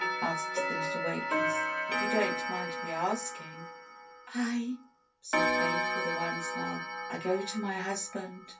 '^ asked the little waitress. "If you don't mind my asking." "I?" said Faith with a wan smile. "I go to my hus band."